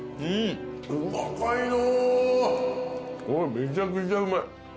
めちゃくちゃうまい。